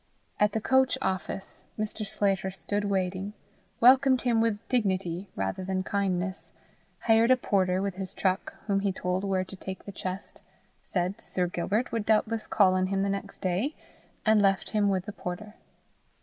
At the coach office Mr. Sclater stood waiting, welcomed him with dignity rather than kindness, hired a porter with his truck whom he told where to take the chest, said Sir Gilbert would doubtless call on him the next day, and left him with the porter.